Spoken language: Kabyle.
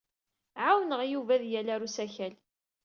Ɛawneɣ Yuba ad yali ɣer usakal.